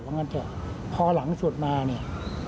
นี่